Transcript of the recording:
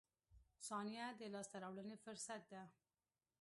• ثانیه د لاسته راوړنې فرصت ده.